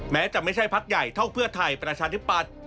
แม้จะไม่ใช่พักใหญ่เท่าเพื่อไทยประชาธิปัตย์